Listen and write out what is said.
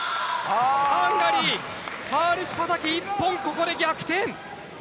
ハンガリー、ハールシュパタキ１本、ここで逆転！